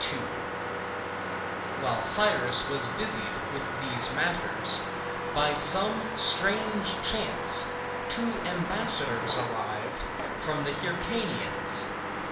[C.2] While Cyrus was busied with these matters, by some strange chance two ambassadors arrived from the Hyrcanians.